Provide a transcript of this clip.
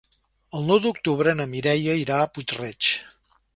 El nou d'octubre na Mireia irà a Puig-reig.